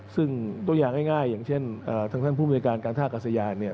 ซึ่งตัวอย่างง่ายอย่างเช่นทางท่านผู้บริการการท่ากัศยานเนี่ย